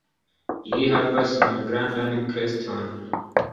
Ili havas malgrandan kreston.